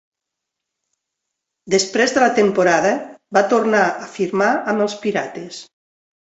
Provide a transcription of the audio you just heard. Després de la temporada, va tornar a firmar amb els pirates.